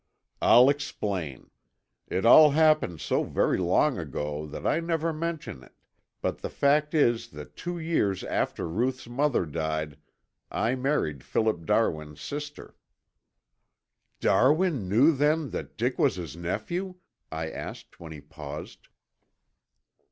"I'll explain. It all happened so very long ago that I never mention it, but the fact is that two years after Ruth's mother died I married Philip Darwin's sister." "Darwin knew then that Dick was his nephew?" I asked when he paused.